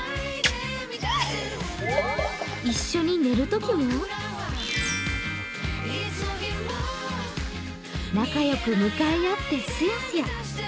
一緒に寝るときも仲良く向かい合って、すやすや。